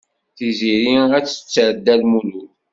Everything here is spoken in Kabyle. Tiziri ad tetter Dda Lmulud.